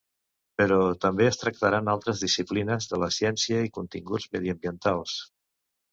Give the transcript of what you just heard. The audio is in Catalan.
Però, també es tractaran altres disciplines de la ciència i continguts mediambientals.